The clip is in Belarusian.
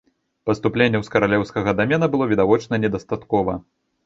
Паступленняў з каралеўскага дамена было відавочна недастаткова.